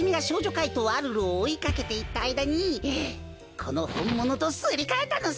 かいとうアルルをおいかけていったあいだにこのほんものとすりかえたのさ！